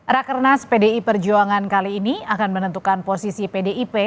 rakernas pdi perjuangan kali ini akan menentukan posisi pdip